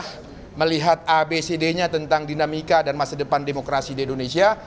kita melihat abcd nya tentang dinamika dan masa depan demokrasi di indonesia